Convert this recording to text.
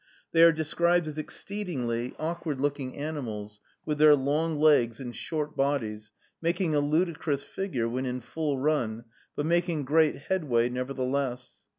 They are described as exceedingly awkward looking animals, with their long legs and short bodies, making a ludicrous figure when in full run, but making great headway, nevertheless.